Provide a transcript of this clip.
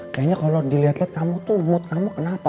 kayaknya kalau dilihat lihat kamu tuh mood kamu kenapa